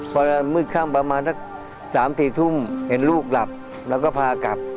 พอมืดค่ำประมาณสัก๓๔ทุ่มเห็นลูกหลับแล้วก็พากลับ